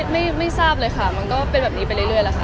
ไม่ทราบเลยค่ะมันก็เป็นแบบนี้ไปเรื่อยแล้วค่ะ